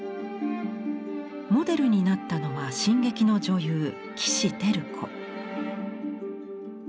モデルになったのは新劇の女優岸輝子。